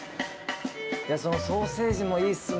そのソーセージもいいっすね。